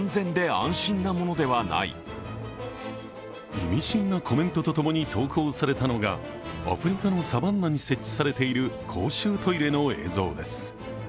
意味深なコメントとともに投稿されたのがアフリカのサバンナに設置されている公衆トイレの映像です。